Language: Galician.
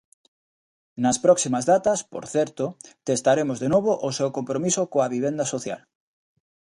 Nas próximas datas, por certo, testaremos de novo o seu compromiso coa vivenda social.